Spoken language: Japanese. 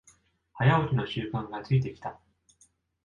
早起きの習慣がついてきた